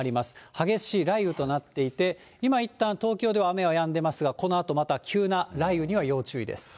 激しい雷雨となっていて、今いったん東京では雨はやんでますが、このあとまた急な雷雨には要注意です。